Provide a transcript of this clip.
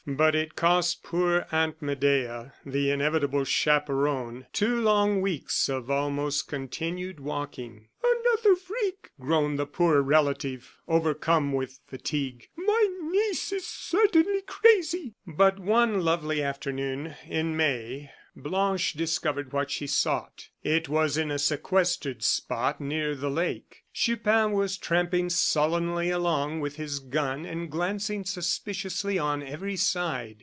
But it cost poor Aunt Medea, the inevitable chaperon, two long weeks of almost continued walking. "Another freak!" groaned the poor relative, overcome with fatigue; "my niece is certainly crazy!" But one lovely afternoon in May Blanche discovered what she sought. It was in a sequestered spot near the lake. Chupin was tramping sullenly along with his gun and glancing suspiciously on every side!